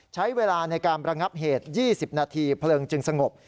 ใช้เวลาในการระงับเหตุ๒๐นาทีเพลิงจึงสงบ